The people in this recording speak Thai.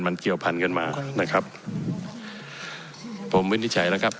มันเกี่ยวพันกันมานะครับผมวินิจฉัยแล้วครับ